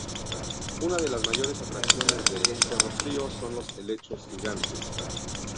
Una de las mayores atracciones de Cerro Frío son los helechos gigantes.